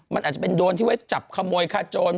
มันอาจจะเป็นโดรนที่ไว้จับขโมยคาโจร